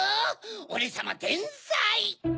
オレさまてんさい！